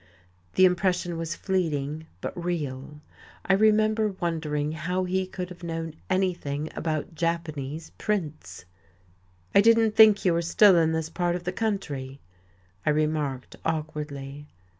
The impression was fleeting, but real.... I remember wondering how he could have known anything about Japanese prints. "I didn't think you were still in this part of the country," I remarked awkwardly.